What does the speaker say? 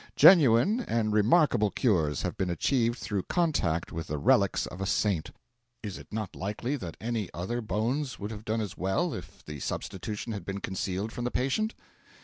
Genuine and remarkable cures have been achieved through contact with the relics of a saint. Is it not likely that any other bones would have done as well if the substitution had been concealed from the patient?